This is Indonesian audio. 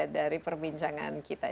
dari perbincangan kita